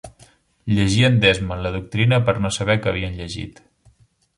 Llegien d'esma la doctrina per no saber que havien llegit